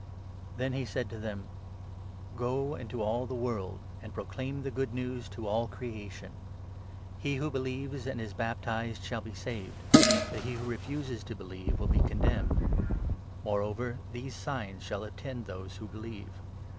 Then he said to them : 15 " Go into all the world, and proclaim the Good News to all creation. He who believes and is baptized shall be saved ; 16 but he who refuses to believe will be condemned. More 17 over these signs shall attend those who believe.